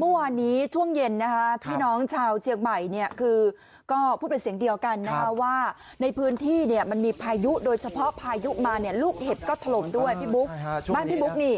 เมื่อวานนี้ช่วงเย็นนะคะพี่น้องชาวเชียงใหม่เนี่ยคือก็พูดเป็นเสียงเดียวกันนะคะว่าในพื้นที่เนี่ยมันมีพายุโดยเฉพาะพายุมาเนี่ยลูกเห็บก็ถล่มด้วยพี่บุ๊คบ้านพี่บุ๊กนี่